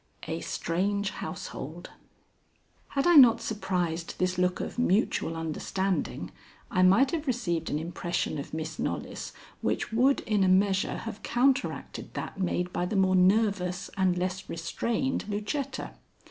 V A STRANGE HOUSEHOLD Had I not surprised this look of mutual understanding, I might have received an impression of Miss Knollys which would in a measure have counteracted that made by the more nervous and less restrained Lucetta.